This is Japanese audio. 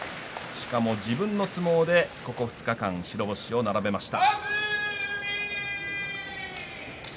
しかも自分の相撲でここ２日間白星を並べました。